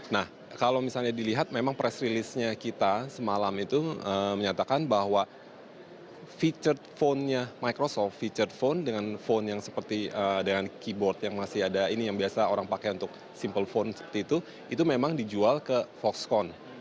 nah kalau misalnya dilihat memang press release nya kita semalam itu menyatakan bahwa feature phone nya microsoft feature phone dengan phone yang seperti dengan keyboard yang masih ada ini yang biasa orang pakai untuk simple phone seperti itu itu memang dijual ke foxcond